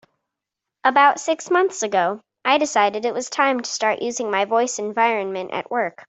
About six months ago, I decided it was time to start using my voice environment at work.